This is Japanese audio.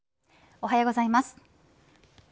おはようございます。